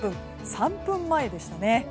３分前でしたね。